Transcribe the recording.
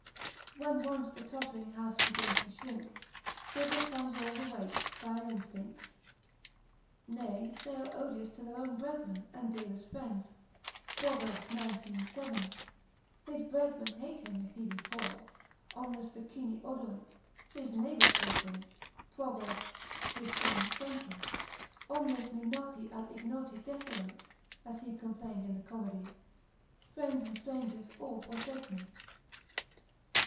When once the tottering house begins to shrink, Thither comes all the weight by an instinct. Nay they are odious to their own brethren, and dearest friends, Pro. xix. 7. His brethren hate him if he be poor, omnes vicini oderunt, his neighbours hate him, Pro. xiv. 20, omnes me noti ac ignoti deserunt, as he complained in the comedy, friends and strangers, all forsake me.